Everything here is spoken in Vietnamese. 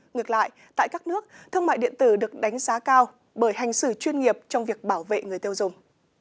ngược lại tại các nước thương mại điện tử được đánh giá cao bởi hành xử chuyên nghiệp trong việc bảo vệ người tiêu dùng